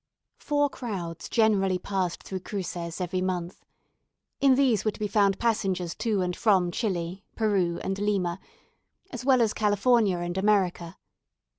Four crowds generally passed through Cruces every month. In these were to be found passengers to and from Chili, Peru, and Lima, as well as California and America.